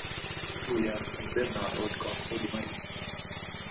Julia ha ibernato il corpo di Marina.